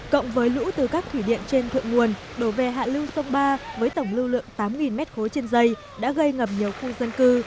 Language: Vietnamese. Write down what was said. cộng với lũ từ các thủy điện trên thượng nguồn đổ về hạ lưu sông ba với tổng lưu lượng tám m ba trên dây đã gây ngập nhiều khu dân cư